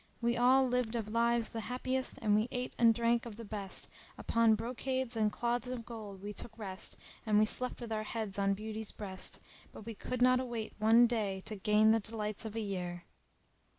We all lived of lives the happiest and we ate and drank of the best; upon brocades and cloths of gold we took our rest and we slept with our heads on beauty's breast, but we could not await one day to gain the delights of a year!"